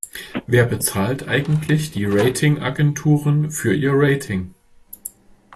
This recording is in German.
Wer bezahlt eigentlich die Ratingagenturen für ihr Rating?